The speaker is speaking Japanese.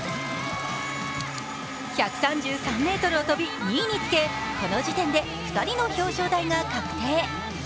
１３３ｍを飛び、２位につけこの時点で２人の表彰台が確定。